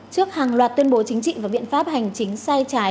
trước hàng loạt tuyên bố chính trị và biện pháp hành chính sai trái